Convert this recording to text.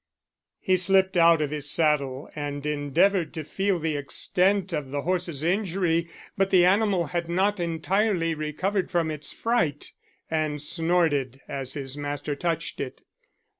He slipped out of his saddle and endeavoured to feel the extent of the horse's injury, but the animal had not entirely recovered from its fright, and snorted as his master touched it.